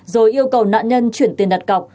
rồi yêu cầu nạn nhân chuyển tiền đặt cọc